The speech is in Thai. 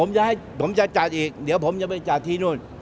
ผมจะให้ผมจะจัดอีกเดี๋ยวผมจะไปจัดที่นู่น